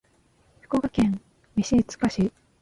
福岡県飯塚市